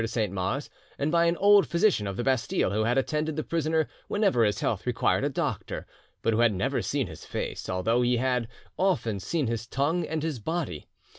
de Saint Mars, and by an old physician of the Bastille who had attended the prisoner whenever his health required a doctor, but who had never seen his face, although he had "often seen his tongue and his body."